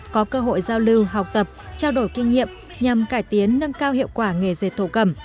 có cơ hội giao lưu học tập trao đổi kinh nghiệm nhằm cải tiến nâng cao hiệu quả nghề dệt thổ cầm